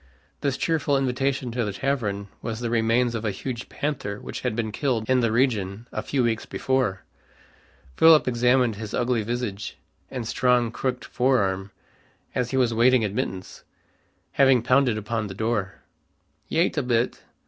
This cheerful invitation to the tavern was the remains of a huge panther which had been killed in the region a few weeks before. Philip examined his ugly visage and strong crooked fore arm, as he was waiting admittance, having pounded upon the door. "Yait a bit.